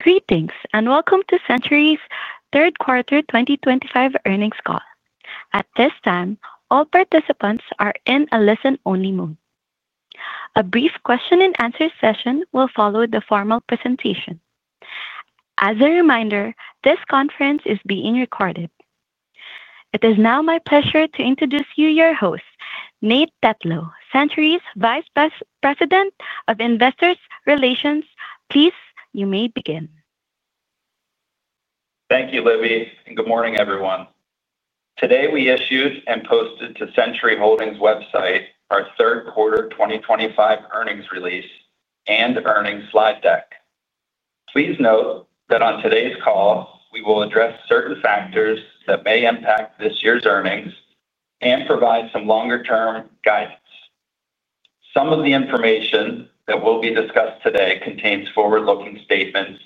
Greetings and welcome to Centuri Holdings' third quarter 2025 earnings Call. At this time, all participants are in a listen-only mode. A brief question-and-answer session will follow the formal presentation. As a reminder, this conference is being recorded. It is now my pleasure to introduce you to your host, Nate Tatlow, Centuri Holdings' Vice President of Investor Relations. Please, you may begin. Thank you, Libby, and good morning, everyone. Today, we issued and posted to Centuri Holdings' website our third quarter 2025 earnings release and earnings slide deck. Please note that on today's call, we will address certain factors that may impact this year's earnings and provide some longer-term guidance. Some of the information that will be discussed today contains forward-looking statements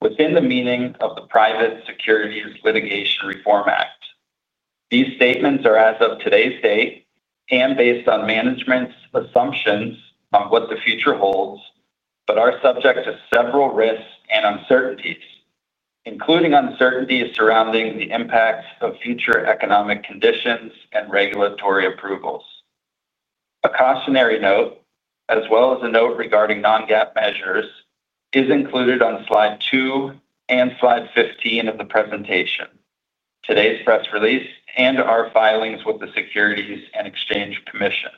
within the meaning of the Private Securities Litigation Reform Act. These statements are, as of today's date, and based on management's assumptions on what the future holds, but are subject to several risks and uncertainties, including uncertainties surrounding the impacts of future economic conditions and regulatory approvals. A cautionary note, as well as a note regarding non-GAAP measures, is included on slide 2 and slide 15 of the presentation, today's press release, and our filings with the Securities and Exchange Commission.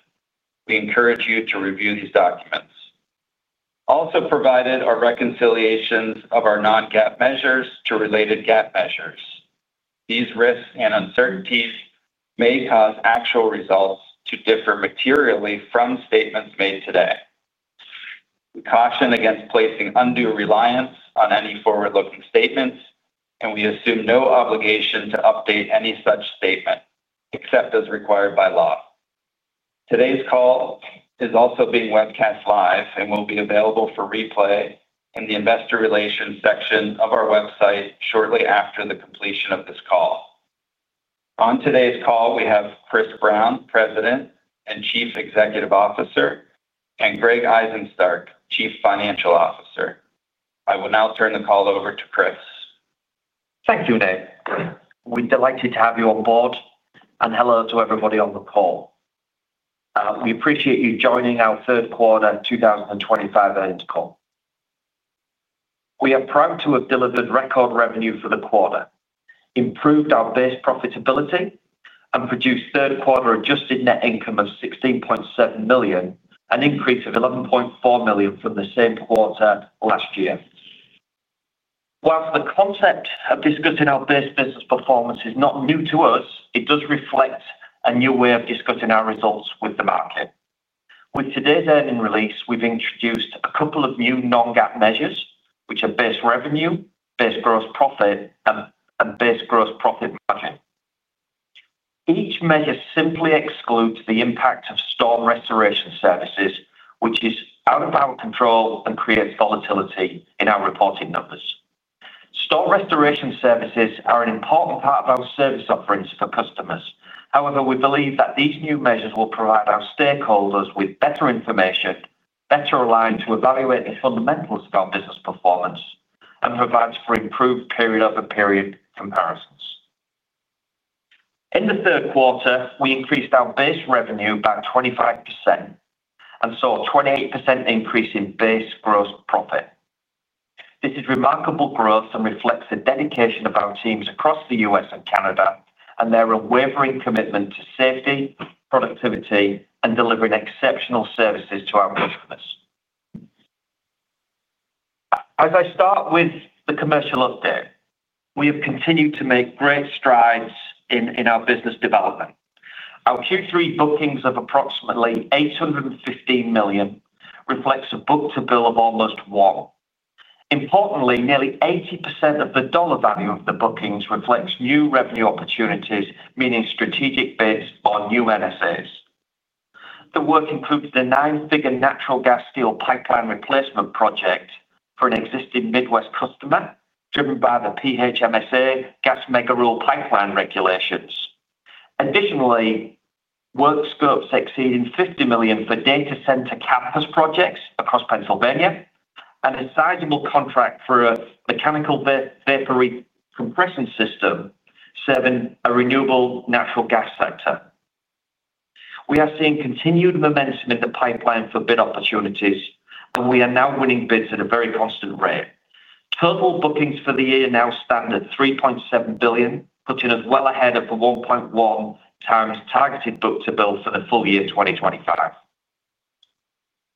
We encourage you to review these documents. Also provided are reconciliations of our non-GAAP measures to related GAAP measures. These risks and uncertainties may cause actual results to differ materially from statements made today. We caution against placing undue reliance on any forward-looking statements, and we assume no obligation to update any such statement except as required by law. Today's call is also being webcast live and will be available for replay in the investor relations section of our website shortly after the completion of this call. On today's call, we have Chris Brown, President and Chief Executive Officer, and Greg Izenstark, Chief Financial Officer. I will now turn the call over to Chris. Thank you, Nate. We're delighted to have you on board, and hello to everybody on the call. We appreciate you joining our third quarter 2025 earnings call. We are proud to have delivered record revenue for the quarter, improved our base profitability, and produced third quarter adjusted net income of $16.7 million, an increase of $11.4 million from the same quarter last year. Whilst the concept of discussing our base business performance is not new to us, it does reflect a new way of discussing our results with the market. With today's earnings release, we've introduced a couple of new non-GAAP measures, which are base revenue, base gross profit, and base gross profit margin. Each measure simply excludes the impact of storm restoration services, which is out of our control and creates volatility in our reporting numbers. Storm restoration services are an important part of our service offerings for customers. However, we believe that these new measures will provide our stakeholders with better information, better aligned to evaluate the fundamentals of our business performance, and provides for improved period-over-period comparisons. In the third quarter, we increased our base revenue by 25%. We saw a 28% increase in base gross profit. This is remarkable growth and reflects the dedication of our teams across the U.S. and Canada, and their unwavering commitment to safety, productivity, and delivering exceptional services to our customers. As I start with the commercial update, we have continued to make great strides in our business development. Our Q3 bookings of approximately $815 million reflects a book-to-bill of almost one. Importantly, nearly 80% of the dollar value of the bookings reflects new revenue opportunities, meaning strategic bids on new MSAs. The work includes the nine-figure natural gas steel pipeline replacement project for an existing Midwest customer, driven by the PHMSA Gas Mega Rule pipeline regulations. Additionally, work scopes exceeding $50 million for data center campus projects across Pennsylvania, and a sizable contract for a mechanical vapor compression system serving a renewable natural gas sector. We are seeing continued momentum in the pipeline for bid opportunities, and we are now winning bids at a very constant rate. Total bookings for the year now stand at $3.7 billion, putting us well ahead of the $1.1 times targeted book-to-bill for the full year 2025.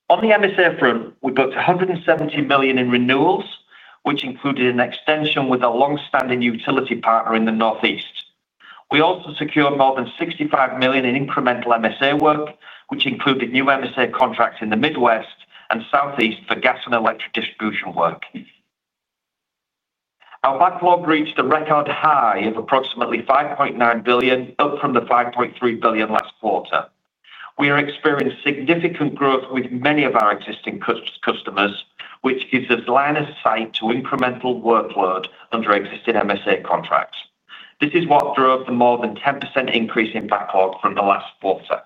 On the MSA front, we booked $170 million in renewals, which included an extension with a long-standing utility partner in the Northeast. We also secured more than $65 million in incremental MSA work, which included new MSA contracts in the Midwest and Southeast for gas and electric distribution work. Our backlog reached a record high of approximately $5.9 billion, up from the $5.3 billion last quarter. We are experiencing significant growth with many of our existing customers, which gives us line of sight to incremental workload under existing MSA contracts. This is what drove the more than 10% increase in backlog from the last quarter.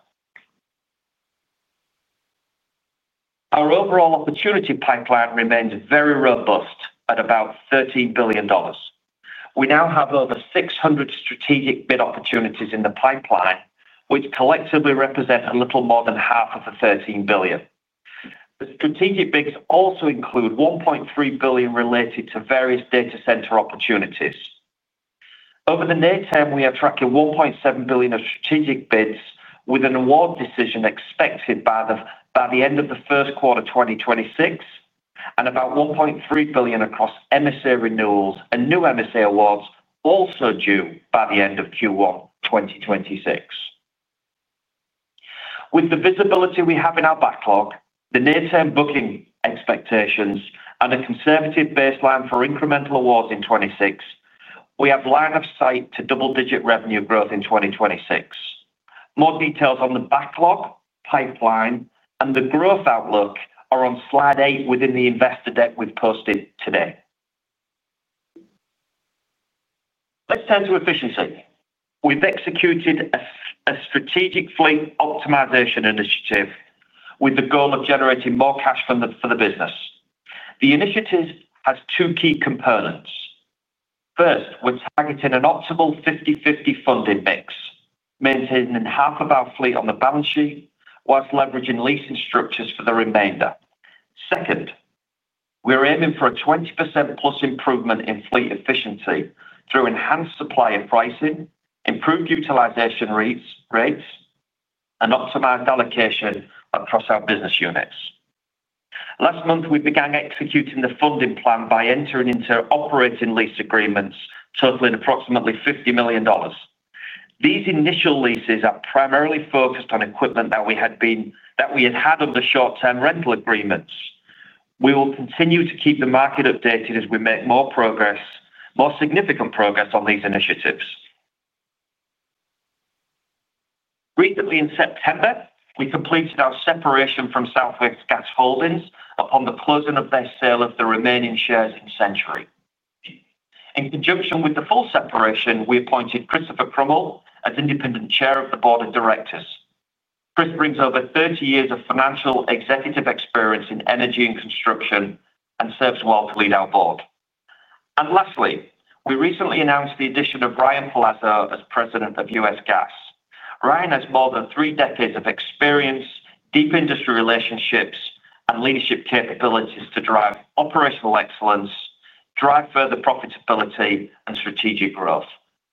Our overall opportunity pipeline remains very robust at about $13 billion. We now have over 600 strategic bid opportunities in the pipeline, which collectively represent a little more than half of the $13 billion. The strategic bids also include $1.3 billion related to various data center opportunities. Over the near term, we are tracking $1.7 billion of strategic bids, with an award decision expected by the end of the first quarter 2026, and about $1.3 billion across MSA renewals and new MSA awards also due by the end of Q1 2026. With the visibility we have in our backlog, the near-term booking expectations, and a conservative baseline for incremental awards in 2026, we have line of sight to double-digit revenue growth in 2026. More details on the backlog, pipeline, and the growth outlook are on slide 8 within the investor deck we have posted today. Let's turn to efficiency. We have executed a strategic fleet optimization initiative with the goal of generating more cash for the business. The initiative has two key components. First, we are targeting an optimal 50/50 funding mix, maintaining half of our fleet on the balance sheet whilst leveraging leasing structures for the remainder. Second, we are aiming for a 20%+ improvement in fleet efficiency through enhanced supply and pricing, improved utilization rates, and optimized allocation across our business units. Last month, we began executing the funding plan by entering into operating lease agreements totaling approximately $50 million. These initial leases are primarily focused on equipment that we had had under short-term rental agreements. We will continue to keep the market updated as we make more progress, more significant progress on these initiatives. Recently, in September, we completed our separation from Southwest Gas Holdings upon the closing of their sale of the remaining shares in Centuri. In conjunction with the full separation, we appointed Christopher Krummell as Independent Chair of the Board of Directors. Chris brings over 30 years of financial executive experience in energy and construction and serves well to lead our board. Lastly, we recently announced the addition of Ryan Palazzo as President of US Gas. Ryan has more than three decades of experience, deep industry relationships, and leadership capabilities to drive operational excellence, drive further profitability, and strategic growth.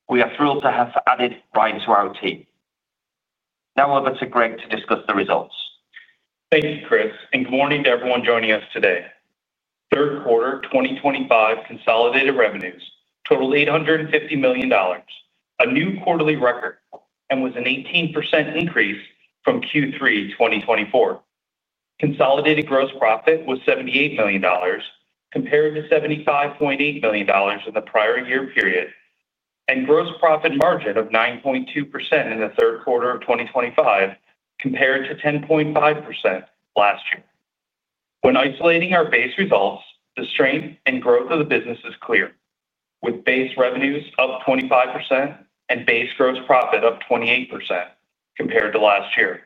We are thrilled to have added Ryan to our team. Now over to Greg to discuss the results. Thank you, Chris, and good morning to everyone joining us today. Third quarter 2025 consolidated revenues totaled $850 million, a new quarterly record, and was an 18% increase from Q3 2024. Consolidated gross profit was $78 million, compared to $75.8 million in the prior year period. Gross profit margin of 9.2% in the third quarter of 2025, compared to 10.5% last year. When isolating our base results, the strength and growth of the business is clear, with base revenues up 25% and base gross profit up 28% compared to last year.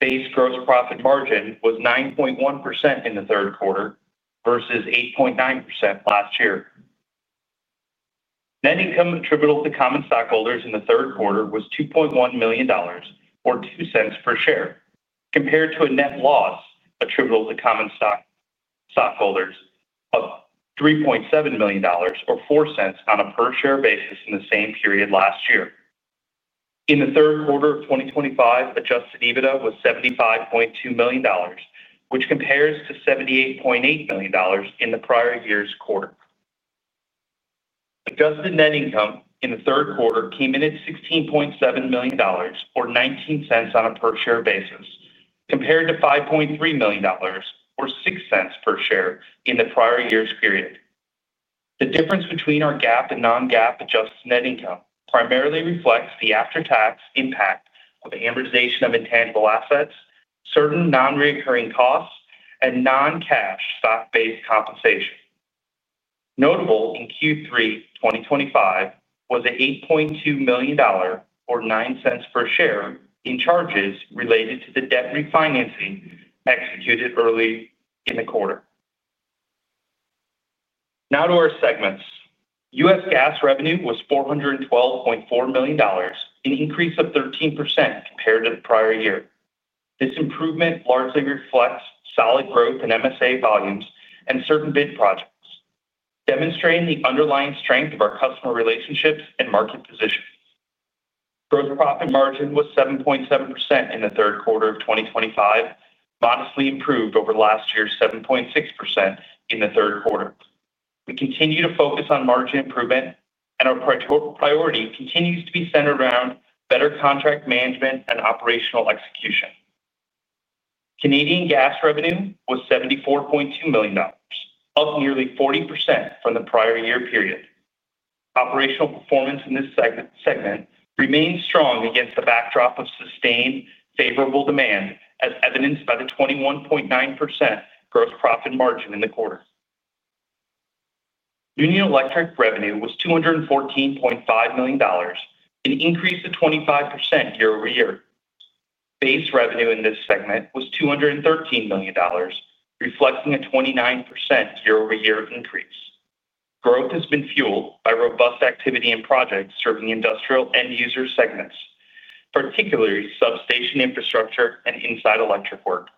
Base gross profit margin was 9.1% in the third quarter versus 8.9% last year. Net income attributable to common stockholders in the third quarter was $2.1 million, or $0.02 per share, compared to a net loss attributable to common stockholders of $3.7 million, or $0.04 on a per-share basis in the same period last year. In the third quarter of 2025, adjusted EBITDA was $75.2 million, which compares to $78.8 million in the prior year's quarter. Adjusted net income in the third quarter came in at $16.7 million, or $0.19 on a per-share basis, compared to $5.3 million, or $0.06 per share in the prior year's period. The difference between our GAAP and non-GAAP adjusted net income primarily reflects the after-tax impact of amortization of intangible assets, certain non-recurring costs, and non-cash stock-based compensation. Notable in Q3 2025 was $8.2 million, or $0.09 per share, in charges related to the debt refinancing executed early in the quarter. Now to our segments. US Gas revenue was $412.4 million, an increase of 13% compared to the prior year. This improvement largely reflects solid growth in MSA volumes and certain bid projects, demonstrating the underlying strength of our customer relationships and market position. Gross profit margin was 7.7% in the third quarter of 2025, modestly improved over last year's 7.6% in the third quarter. We continue to focus on margin improvement, and our priority continues to be centered around better contract management and operational execution. Canadian Gas revenue was $74.2 million, up nearly 40% from the prior year period. Operational performance in this segment remains strong against the backdrop of sustained favorable demand, as evidenced by the 21.9% gross profit margin in the quarter. Union Electric revenue was $214.5 million, an increase of 25% year-over-year. Base revenue in this segment was $213 million, reflecting a 29% year-over-year increase. Growth has been fueled by robust activity and projects serving industrial end-user segments, particularly substation infrastructure and inside electric work.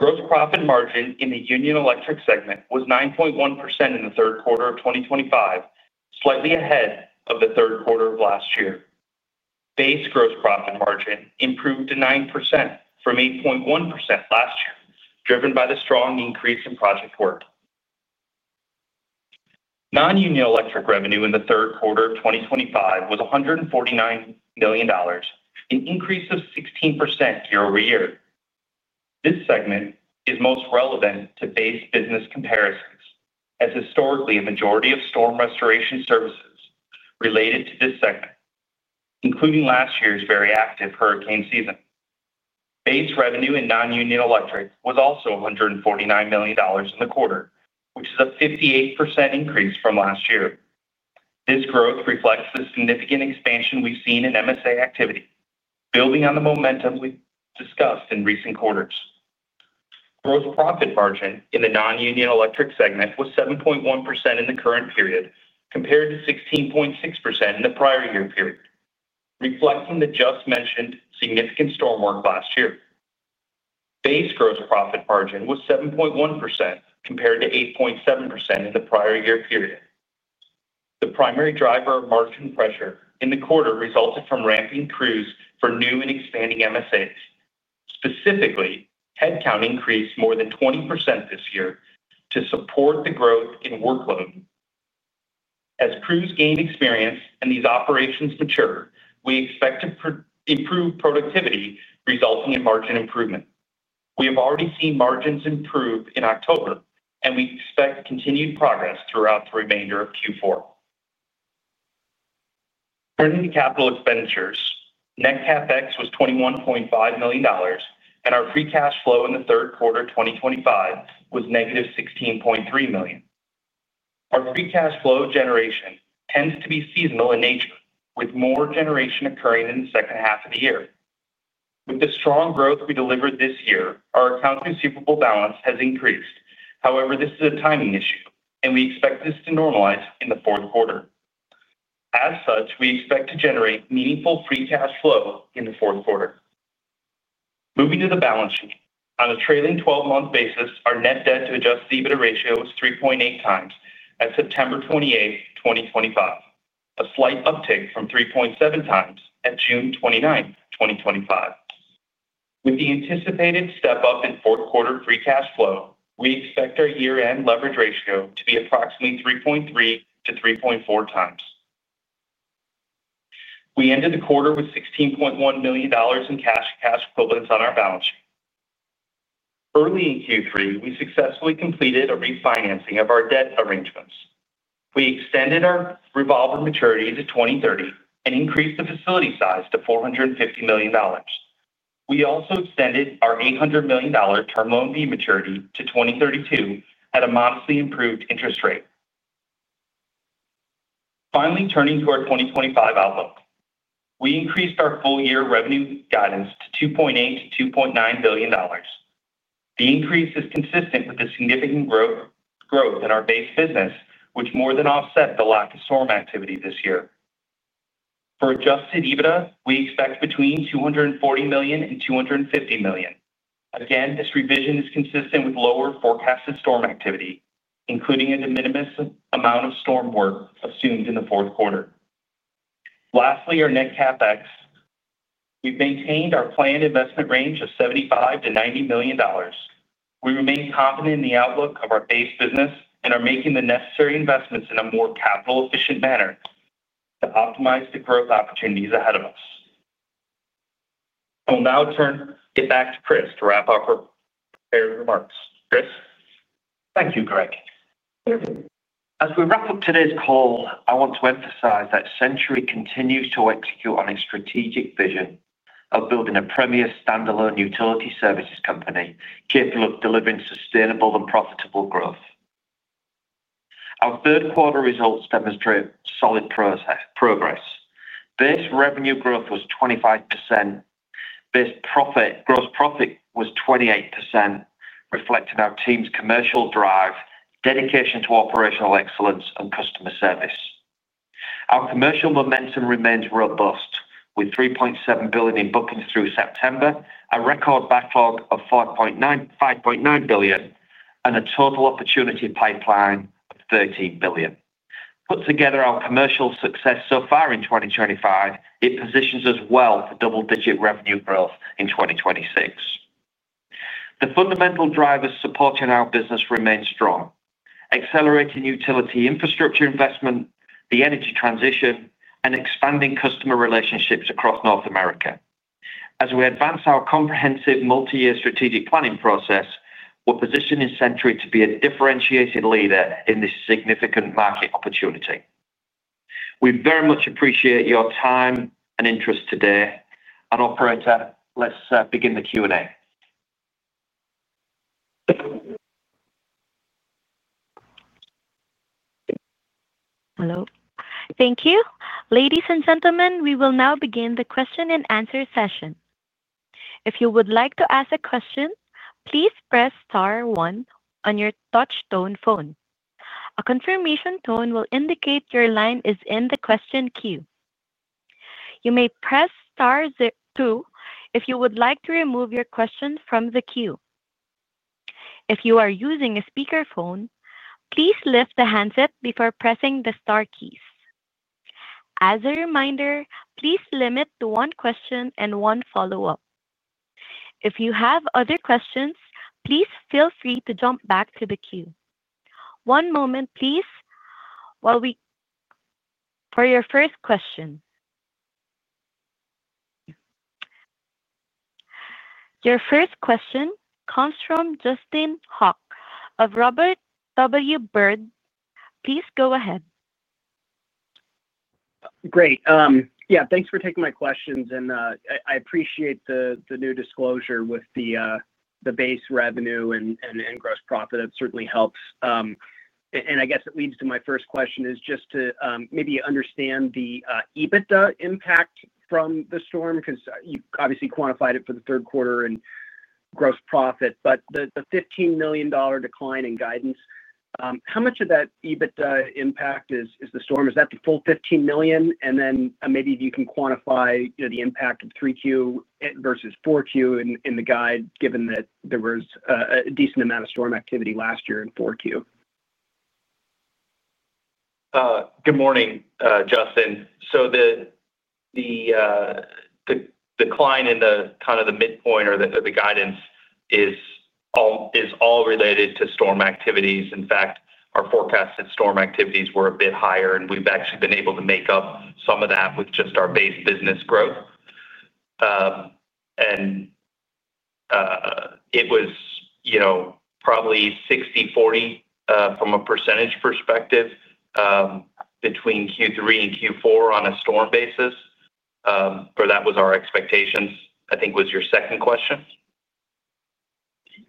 Gross profit margin in the union electric segment was 9.1% in the third quarter of 2025, slightly ahead of the third quarter of last year. Base gross profit margin improved to 9% from 8.1% last year, driven by the strong increase in project work. Non-union electric revenue in the third quarter of 2025 was $149 million, an increase of 16% year-over-year. This segment is most relevant to base business comparisons, as historically a majority of storm restoration services related to this segment, including last year's very active hurricane season. Base revenue in non-union electric was also $149 million in the quarter, which is a 58% increase from last year. This growth reflects the significant expansion we've seen in MSA activity, building on the momentum we've discussed in recent quarters. Gross profit margin in the non-union electric segment was 7.1% in the current period, compared to 16.6% in the prior year period, reflecting the just-mentioned significant storm work last year. Base gross profit margin was 7.1% compared to 8.7% in the prior year period. The primary driver of margin pressure in the quarter resulted from ramping crews for new and expanding MSAs. Specifically, headcount increased more than 20% this year to support the growth in workload. As crews gain experience and these operations mature, we expect to improve productivity, resulting in margin improvement. We have already seen margins improve in October, and we expect continued progress throughout the remainder of Q4. Turning to capital expenditures, net capex was $21.5 million, and our free cash flow in the third quarter 2025 was negative $16.3 million. Our free cash flow generation tends to be seasonal in nature, with more generation occurring in the second half of the year. With the strong growth we delivered this year, our accounting superable balance has increased. However, this is a timing issue, and we expect this to normalize in the fourth quarter. As such, we expect to generate meaningful free cash flow in the fourth quarter. Moving to the balance sheet, on a trailing 12-month basis, our net debt-to-adjusted EBITDA ratio was 3.8 times at September 28, 2025, a slight uptick from 3.7 times at June 29, 2025. With the anticipated step-up in fourth-quarter free cash flow, we expect our year-end leverage ratio to be approximately 3.3-3.4 times. We ended the quarter with $16.1 million in cash and cash equivalents on our balance sheet. Early in Q3, we successfully completed a refinancing of our debt arrangements. We extended our revolving maturity to 2030 and increased the facility size to $450 million. We also extended our $800 million term loan B maturity to 2032 at a modestly improved interest rate. Finally, turning to our 2025 outlook, we increased our full-year revenue guidance to $2.8 billion-$2.9 billion. The increase is consistent with the significant growth in our base business, which more than offset the lack of storm activity this year. For adjusted EBITDA, we expect between $240 million and $250 million. Again, this revision is consistent with lower forecasted storm activity, including a diminished amount of storm work assumed in the fourth quarter. Lastly, our net capex. We've maintained our planned investment range of $75 million-$90 million. We remain confident in the outlook of our base business and are making the necessary investments in a more capital-efficient manner to optimize the growth opportunities ahead of us. I will now turn it back to Chris to wrap up our remarks. Chris? Thank you, Greg. As we wrap up today's call, I want to emphasize that Centuri continues to execute on its strategic vision of building a premier standalone utility services company capable of delivering sustainable and profitable growth. Our third-quarter results demonstrate solid progress. Base revenue growth was 25%. Base gross profit was 28%, reflecting our team's commercial drive, dedication to operational excellence, and customer service. Our commercial momentum remains robust, with $3.7 billion in bookings through September, a record backlog of $5.9 billion, and a total opportunity pipeline of $13 billion. Put together our commercial success so far in 2025, it positions us well for double-digit revenue growth in 2026. The fundamental drivers supporting our business remain strong: accelerating utility infrastructure investment, the energy transition, and expanding customer relationships across North America. As we advance our comprehensive multi-year strategic planning process, we're positioning Centuri to be a differentiated leader in this significant market opportunity. We very much appreciate your time and interest today. Operator, let's begin the Q&A. Hello. Thank you. Ladies and gentlemen, we will now begin the question-and-answer session. If you would like to ask a question, please press star one on your touch-tone phone. A confirmation tone will indicate your line is in the question queue. You may press star two if you would like to remove your question from the queue. If you are using a speakerphone, please lift the handset before pressing the star keys. As a reminder, please limit to one question and one follow-up. If you have other questions, please feel free to jump back to the queue. One moment, please, while we. For your first question. Your first question comes from Justin Hawk of Robert W. Baird. Please go ahead. Great. Yeah, thanks for taking my questions. I appreciate the new disclosure with the base revenue and gross profit. That certainly helps. I guess it leads to my first question, is just to maybe understand the EBITDA impact from the storm, because you've obviously quantified it for the third quarter and gross profit. But the $15 million decline in guidance, how much of that EBITDA impact is the storm? Is that the full $15 million? Maybe if you can quantify the impact of 3Q versus 4Q in the guide, given that there was a decent amount of storm activity last year in 4Q. Good morning, Justin. The decline in kind of the midpoint or the guidance is all related to storm activities. In fact, our forecasted storm activities were a bit higher, and we've actually been able to make up some of that with just our base business growth. It was probably 60/40 from a percentage perspective between Q3 and Q4 on a storm basis. That was our expectations, I think, was your second question.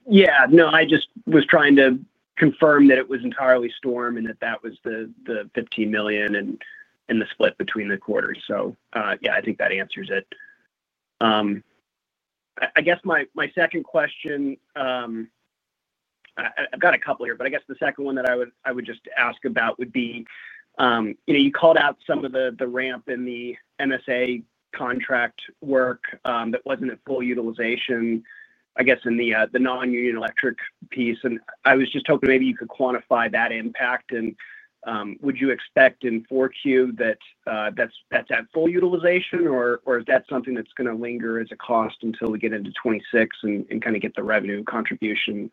Yeah. No, I just was trying to confirm that it was entirely storm and that that was the $15 million and the split between the quarters. Yeah, I think that answers it. I guess my second question. I've got a couple here, but I guess the second one that I would just ask about would be, you called out some of the ramp in the MSA contract work that was not at full utilization, I guess, in the non-union electric piece. I was just hoping maybe you could quantify that impact. Would you expect in Q4 that that is at full utilization, or is that something that is going to linger as a cost until we get into 2026 and kind of get the revenue contribution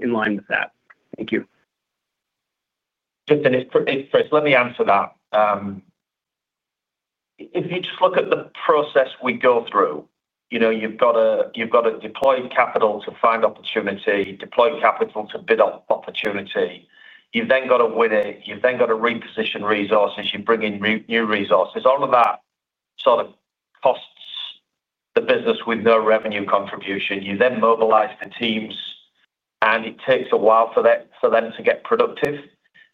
in line with that? Thank you. Justin, first, let me answer that. If you just look at the process we go through, you've got to deploy capital to find opportunity, deploy capital to bid opportunity. You've then got to win it. You've then got to reposition resources. You bring in new resources. All of that sort of costs the business with no revenue contribution. You then mobilize the teams, and it takes a while for them to get productive.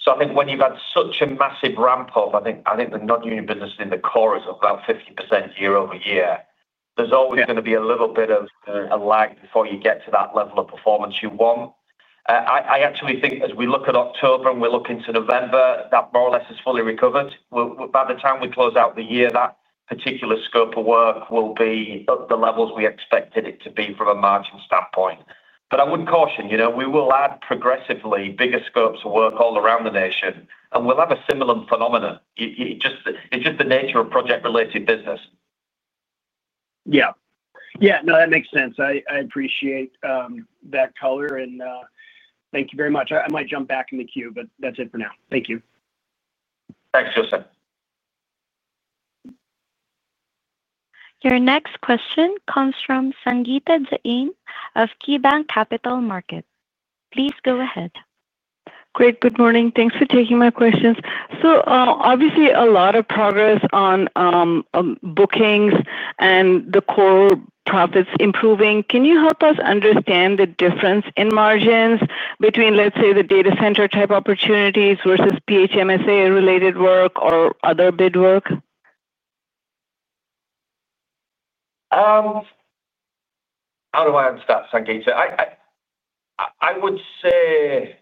I think when you've had such a massive ramp-up, I think the non-union business in the core is about 50% year-over-year. There's always going to be a little bit of a lag before you get to that level of performance you want. I actually think as we look at October and we look into November, that more or less has fully recovered. By the time we close out the year, that particular scope of work will be at the levels we expected it to be from a margin standpoint. I would caution, we will add progressively bigger scopes of work all around the nation, and we'll have a similar phenomenon. It's just the nature of project-related business. Yeah. Yeah. No, that makes sense. I appreciate that color. Thank you very much. I might jump back in the queue, but that's it for now. Thank you. Thanks, Justin. Your next question comes from Sangeeta Jain of KeyBanc Capital Markets. Please go ahead. Greg, good morning. Thanks for taking my questions. Obviously, a lot of progress on bookings and the core profits improving. Can you help us understand the difference in margins between, let's say, the data center type opportunities versus PHMSA related work or other bid work? How do I answer that, Sangeeta? I would say.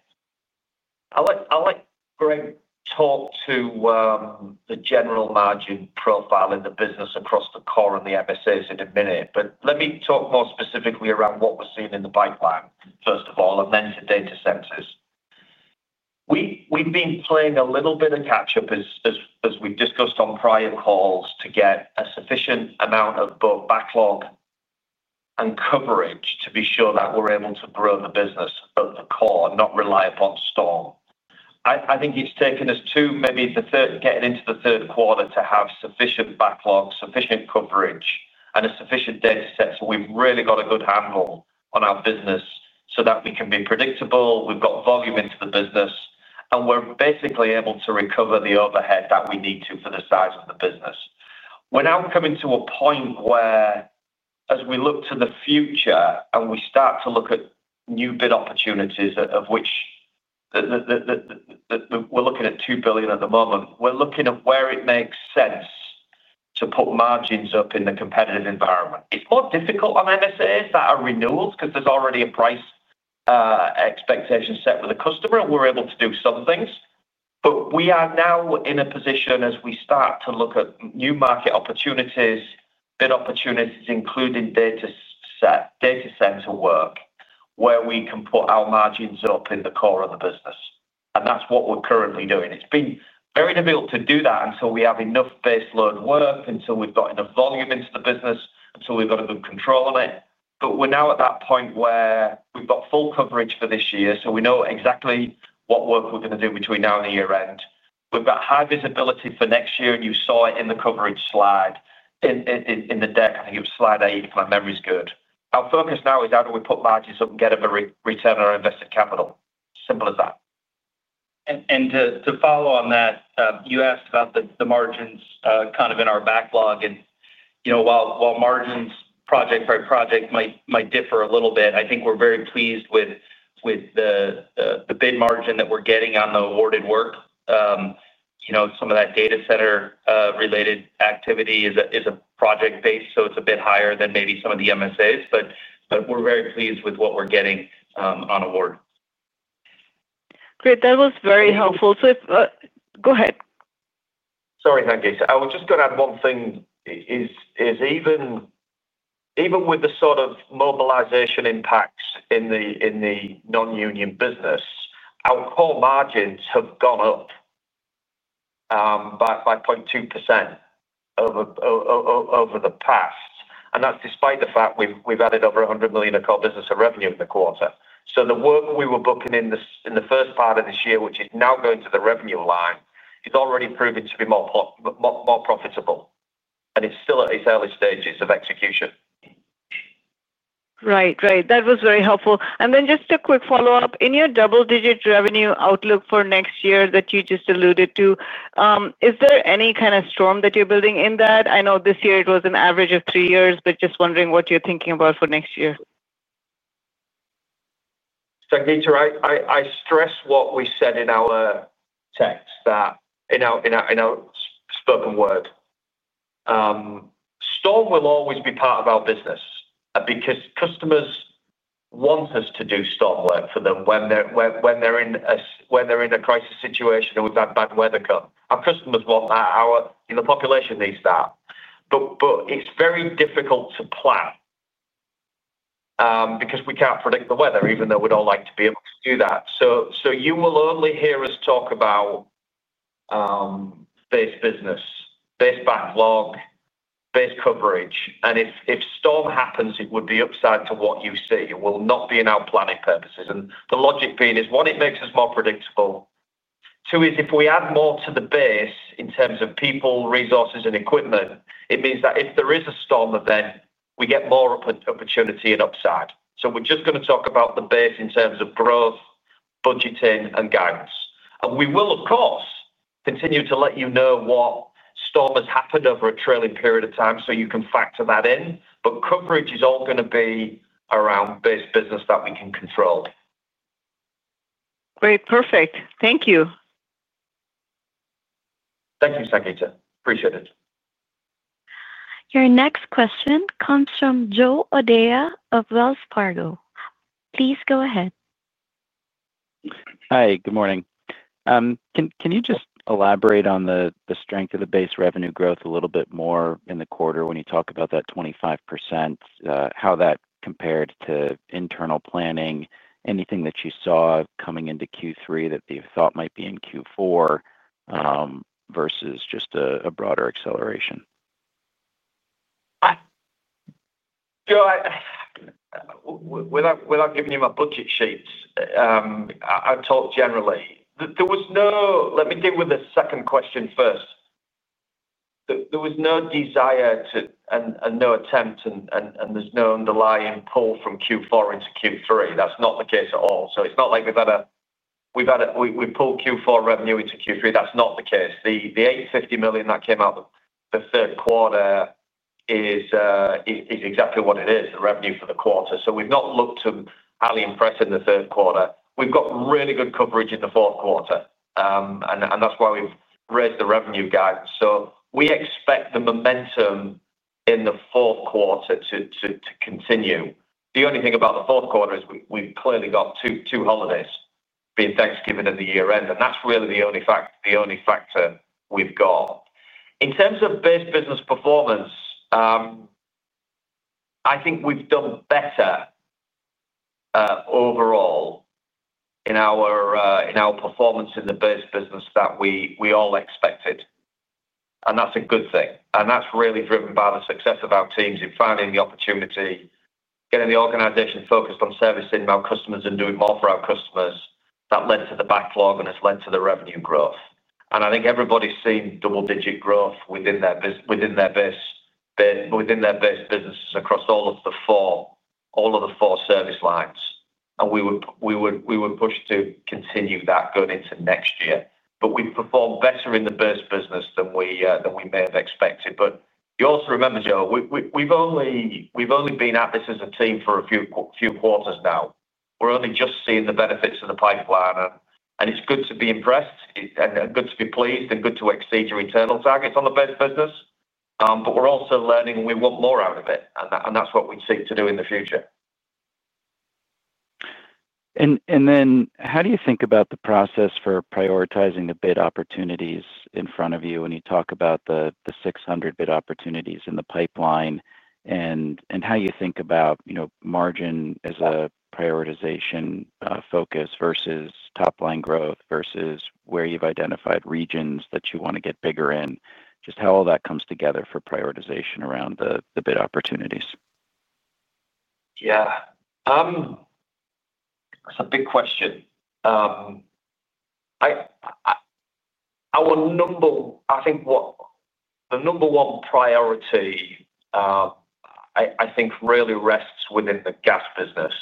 I'll let Greg talk to the general margin profile in the business across the core and the MSAs in a minute. Let me talk more specifically around what we're seeing in the pipeline, first of all, and then to data centers. We've been playing a little bit of catch-up, as we've discussed on prior calls, to get a sufficient amount of both backlog and coverage to be sure that we're able to grow the business at the core, not rely upon storm. I think it's taken us to maybe getting into the third quarter to have sufficient backlog, sufficient coverage, and a sufficient data set. We've really got a good handle on our business so that we can be predictable. We've got volume into the business, and we're basically able to recover the overhead that we need to for the size of the business. We're now coming to a point where, as we look to the future and we start to look at new bid opportunities, of which we're looking at $2 billion at the moment, we're looking at where it makes sense to put margins up in the competitive environment. It's more difficult on MSAs that are renewals because there's already a price expectation set with the customer, and we're able to do some things. We are now in a position, as we start to look at new market opportunities, bid opportunities, including data center work, where we can put our margins up in the core of the business. That's what we're currently doing. It's been very difficult to do that until we have enough base load work, until we've got enough volume into the business, until we've got a good control on it. We are now at that point where we've got full coverage for this year, so we know exactly what work we're going to do between now and the year-end. We've got high visibility for next year, and you saw it in the coverage slide. In the deck, I think it was slide eight, if my memory is good. Our focus now is how do we put margins up and get a return on our invested capital. Simple as that. To follow on that, you asked about the margins kind of in our backlog. While margins, project by project, might differ a little bit, I think we're very pleased with. The bid margin that we're getting on the awarded work. Some of that data center-related activity is project-based, so it's a bit higher than maybe some of the MSAs. We are very pleased with what we're getting on award. Greg, that was very helpful. Go ahead. Sorry, Sangeeta. I was just going to add one thing. Even with the sort of mobilization impacts in the non-union business, our core margins have gone up by 0.2% over the past. That is despite the fact we have added over $100 million of core business revenue in the quarter. The work we were booking in the first part of this year, which is now going to the revenue line, is already proving to be more profitable, and it is still at its early stages of execution. Right. Right. That was very helpful. Just a quick follow-up. In your double-digit revenue outlook for next year that you just alluded to, is there any kind of storm that you're building in that? I know this year it was an average of three years, but just wondering what you're thinking about for next year. Sangeeta, I stress what we said in our text, in our spoken word. Storm will always be part of our business. Because customers want us to do storm work for them when they're in a crisis situation or when bad weather comes. Our customers want that. The population needs that. But it's very difficult to plan. Because we can't predict the weather, even though we'd all like to be able to do that. You will only hear us talk about base business, base backlog, base coverage. If storm happens, it would be upside to what you see. It will not be in our planning purposes. The logic being is, one, it makes us more predictable. Two is, if we add more to the base in terms of people, resources, and equipment, it means that if there is a storm, then we get more opportunity and upside. We're just going to talk about the base in terms of growth, budgeting, and guidance. We will, of course, continue to let you know what storm has happened over a trailing period of time so you can factor that in. Coverage is all going to be around base business that we can control. Great. Perfect. Thank you. Thank you, Sangeeta. Appreciate it. Your next question comes from Joe O'Leary of Wells Fargo. Please go ahead. Hi. Good morning. Can you just elaborate on the strength of the base revenue growth a little bit more in the quarter when you talk about that 25%, how that compared to internal planning, anything that you saw coming into Q3 that you thought might be in Q4 versus just a broader acceleration? Without giving you my budget sheets. I talk generally. Let me deal with the second question first. There was no desire and no attempt, and there's no underlying pull from Q4 into Q3. That's not the case at all. It's not like we've pulled Q4 revenue into Q3. That's not the case. The $850 million that came out the third quarter is exactly what it is, the revenue for the quarter. We've not looked to highly impress in the third quarter. We've got really good coverage in the fourth quarter. That's why we've raised the revenue guide. We expect the momentum in the fourth quarter to continue. The only thing about the fourth quarter is we've clearly got two holidays, being Thanksgiving at the year-end. That's really the only factor we've got in terms of base business performance. I think we've done better overall in our performance in the base business than we all expected. That's a good thing. That's really driven by the success of our teams in finding the opportunity, getting the organization focused on servicing our customers, and doing more for our customers. That led to the backlog and has led to the revenue growth. I think everybody's seen double-digit growth within their base businesses across all of the four service lines. We were pushed to continue that good into next year. We've performed better in the base business than we may have expected. You also remember, Joe, we've only been at this as a team for a few quarters now. We're only just seeing the benefits of the pipeline. It is good to be impressed and good to be pleased and good to exceed your internal targets on the base business. We are also learning and we want more out of it. That is what we seek to do in the future. How do you think about the process for prioritizing the bid opportunities in front of you when you talk about the 600 bid opportunities in the pipeline and how you think about margin as a prioritization focus versus top-line growth versus where you've identified regions that you want to get bigger in? Just how all that comes together for prioritization around the bid opportunities? Yeah. That's a big question. I think the number one priority, I think, really rests within the gas business.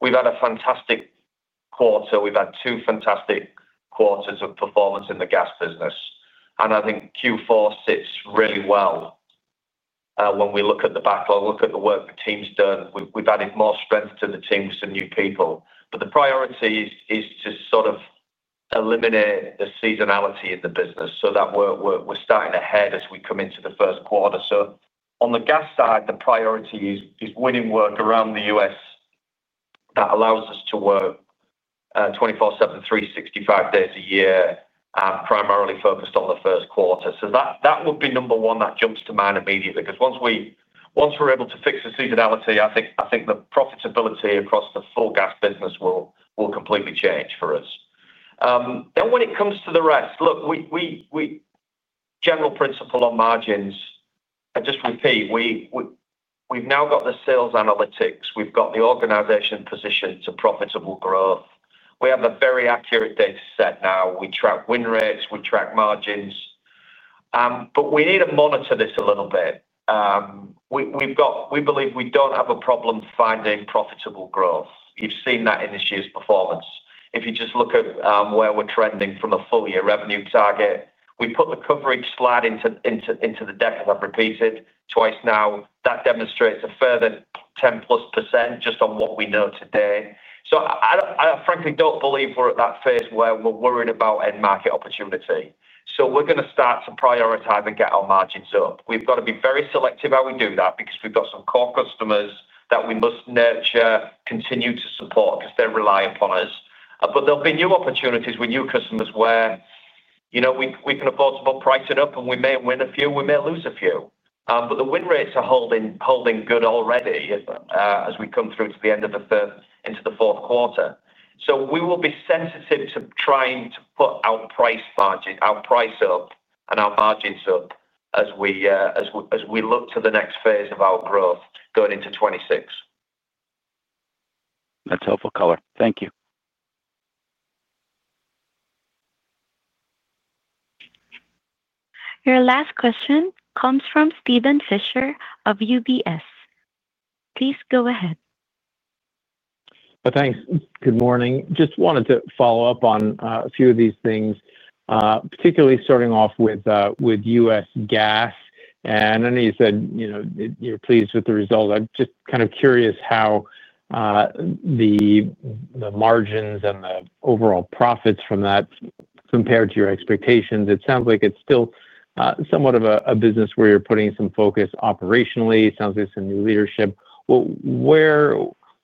We've had a fantastic quarter. We've had two fantastic quarters of performance in the gas business. I think Q4 sits really well. When we look at the backlog, look at the work the team's done, we've added more strength to the team with some new people. The priority is to sort of eliminate the seasonality in the business so that we're starting ahead as we come into the first quarter. On the gas side, the priority is winning work around the U.S. that allows us to work 24/7, 365 days a year, and primarily focused on the first quarter. That would be number one that jumps to mind immediately. Because once we're able to fix the seasonality, I think the profitability across the full gas business will completely change for us. When it comes to the rest, look. General principle on margins. I just repeat. We've now got the sales analytics. We've got the organization positioned to profitable growth. We have a very accurate data set now. We track win rates. We track margins. We need to monitor this a little bit. We believe we don't have a problem finding profitable growth. You've seen that in this year's performance. If you just look at where we're trending from a full-year revenue target, we put the coverage slide into the deck that I've repeated twice now. That demonstrates a further 10% just on what we know today. I frankly don't believe we're at that phase where we're worried about end market opportunity. We're going to start to prioritize and get our margins up. We've got to be very selective how we do that because we've got some core customers that we must nurture, continue to support because they're relying upon us. There'll be new opportunities with new customers where we can afford to put price up and we may win a few, we may lose a few. The win rates are holding good already as we come through to the end of the third into the fourth quarter. We will be sensitive to trying to put our price up and our margins up as we look to the next phase of our growth going into 2026. That's helpful, Colin. Thank you. Your last question comes from Stephen Fisher of UBS. Please go ahead. Thank you. Good morning. Just wanted to follow up on a few of these things, particularly starting off with U.S. gas. I know you said you're pleased with the result. I'm just kind of curious how the margins and the overall profits from that compared to your expectations. It sounds like it's still somewhat of a business where you're putting some focus operationally. It sounds like some new leadership.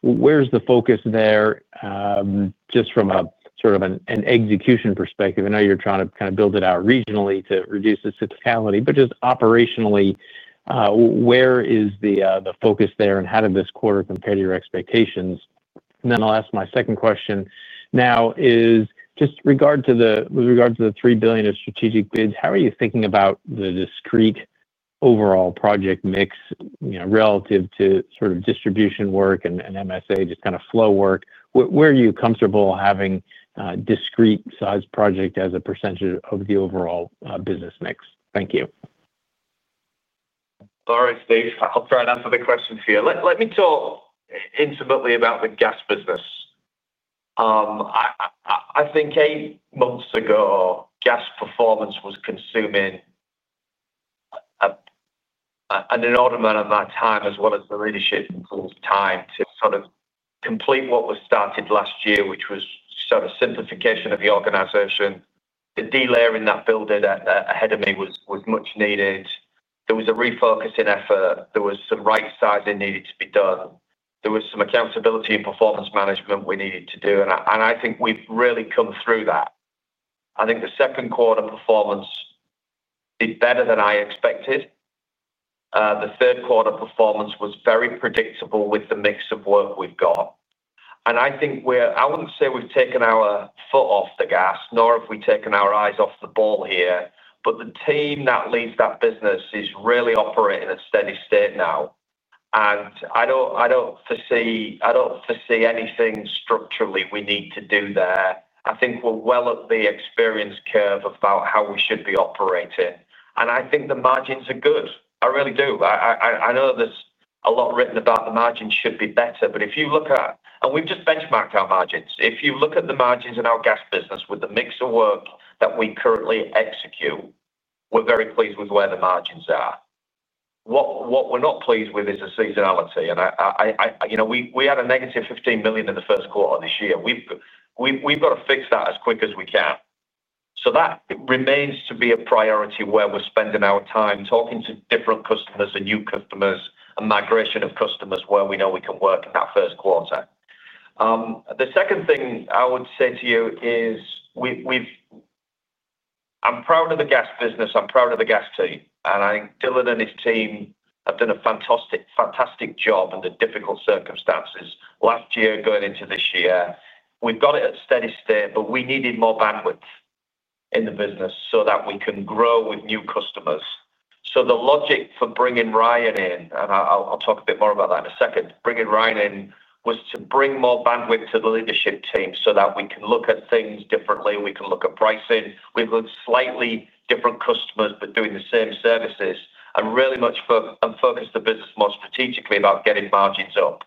Where's the focus there? Just from a sort of an execution perspective. I know you're trying to kind of build it out regionally to reduce the fiscality, but just operationally, where is the focus there and how did this quarter compare to your expectations? My second question now is just with regard to the. $3 billion of strategic bids, how are you thinking about the discrete overall project mix relative to sort of distribution work and MSA, just kind of flow work? Where are you comfortable having a discrete-sized project as a percentage of the overall business mix? Thank you. Sorry, Steve. I'll try to answer the question for you. Let me talk intimately about the gas business. I think eight months ago, gas performance was consuming an inordinate amount of my time as well as the leadership's time. Sort of complete what was started last year, which was sort of simplification of the organization. The delayering that built ahead of me was much needed. There was a refocusing effort. There was some right-sizing needed to be done. There was some accountability and performance management we needed to do. I think we've really come through that. I think the second quarter performance did better than I expected. The third quarter performance was very predictable with the mix of work we've got. I think we're—I wouldn't say we've taken our foot off the gas, nor have we taken our eyes off the ball here. The team that leads that business is really operating in a steady state now. I do not foresee anything structurally we need to do there. I think we are well at the experience curve of about how we should be operating. I think the margins are good. I really do. I know there is a lot written about the margins should be better. If you look at—and we have just benchmarked our margins—if you look at the margins in our gas business with the mix of work that we currently execute, we are very pleased with where the margins are. What we are not pleased with is the seasonality. We had a negative $15 million in the first quarter of this year. We have got to fix that as quick as we can. That remains to be a priority where we're spending our time talking to different customers and new customers and migration of customers where we know we can work in that first quarter. The second thing I would say to you is, I'm proud of the gas business. I'm proud of the gas team. I think Dylan and his team have done a fantastic job under difficult circumstances last year going into this year. We've got it at steady state, but we needed more bandwidth in the business so that we can grow with new customers. The logic for bringing Ryan in—and I'll talk a bit more about that in a second—bringing Ryan in was to bring more bandwidth to the leadership team so that we can look at things differently. We can look at pricing. We've got slightly different customers, but doing the same services and really much focused the business more strategically about getting margins up.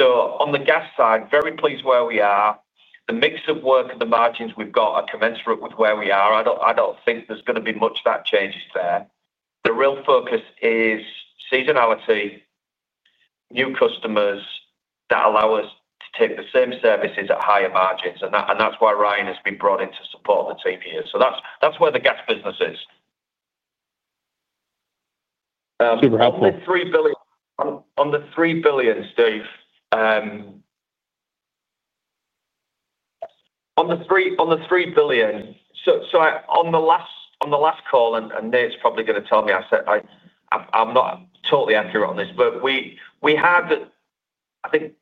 On the gas side, very pleased where we are. The mix of work and the margins we've got are commensurate with where we are. I don't think there's going to be much that changes there. The real focus is seasonality. New customers that allow us to take the same services at higher margins. That is why Ryan has been brought in to support the team here. That is where the gas business is. Super helpful. On the $3 billion, Steve. On the $3 billion. On the last call, and Nate's probably going to tell me I'm not totally accurate on this, but we had, I think,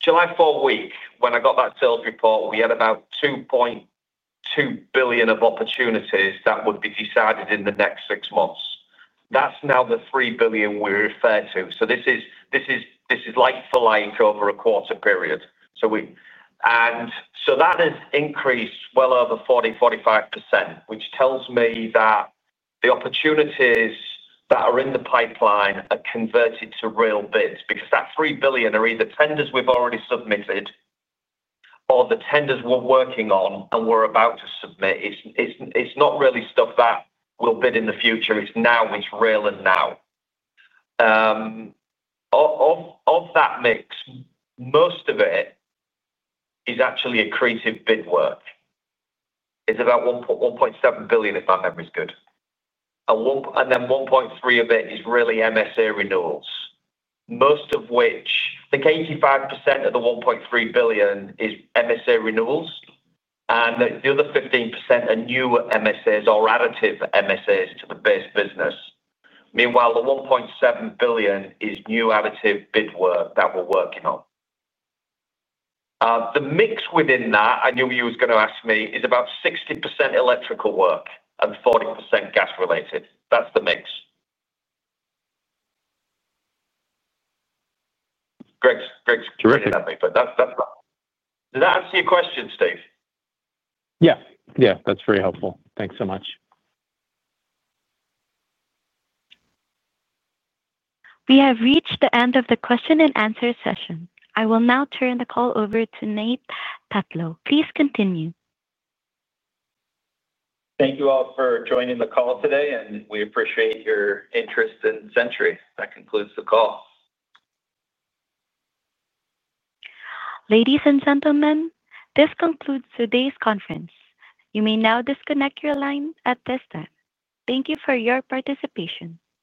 July 4 week, when I got that sales report, we had about $2.2 billion of opportunities that would be decided in the next six months. That's now the $3 billion we refer to. This is like-for-like over a quarter period. That has increased well over 40-45%, which tells me that the opportunities that are in the pipeline are converted to real bids because that $3 billion are either tenders we've already submitted or the tenders we're working on and we're about to submit. It's not really stuff that we'll bid in the future. It's now. It's real and now. Of that mix, most of it is actually accretive bid work. It's about $1.7 billion, if my memory is good. Then $1.3 billion of it is really MSA renewals. Most of which, I think 85% of the $1.3 billion is MSA renewals. The other 15% are new MSAs or additive MSAs to the base business. Meanwhile, the $1.7 billion is new additive bid work that we're working on. The mix within that, I knew you were going to ask me, is about 60% electrical work and 40% gas-related. That's the mix. Greg's screaming at me, but that's fine. Did that answer your question, Steve? Yeah. Yeah. That's very helpful. Thanks so much. We have reached the end of the question and answer session. I will now turn the call over to Nate Tatlow. Please continue. Thank you all for joining the call today, and we appreciate your interest in Centuri. That concludes the call. Ladies and gentlemen, this concludes today's conference. You may now disconnect your line at this time. Thank you for your participation.